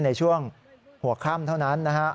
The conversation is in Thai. ในช่วงหัวค่ำเท่านั้นนะฮะ